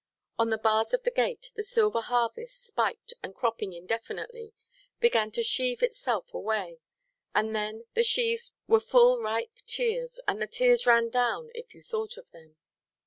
On the bars of the gate, the silver harvest, spiked and cropping infinitely, began to sheave itself away, and then the sheaves were full ripe tears, and the tears ran down if you thought of them.